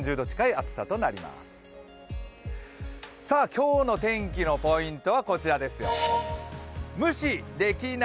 今日の天気のポイントはこちらです。